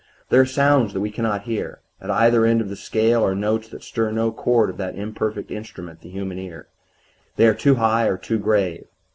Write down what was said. "There are sounds that we can not hear. At either end of the scale are notes that stir no chord of that imperfect instrument, the human ear. They are too high or too grave.